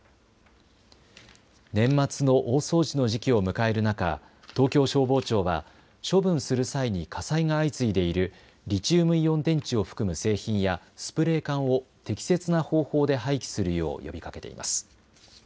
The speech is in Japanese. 年末の大掃除の時期を迎える中東京消防庁は処分する際に火災が相次いでいるリチウムイオン電池を含む製品やスプレー缶を適切な方法で廃棄するよう呼びかけています。